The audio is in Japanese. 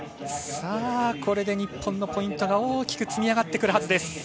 これで日本のポイントが大きく積み上がってくるはずです。